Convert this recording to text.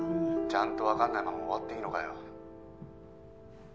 ちゃんとわかんないまま終わっていいのかよ。